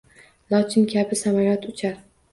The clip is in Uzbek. Lochin kabi samolyot uchar